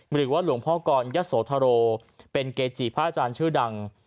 หรือว่าหลวงพ่อกรยะโสธโรเป็นเกจิพระอาจารย์ชื่อดัง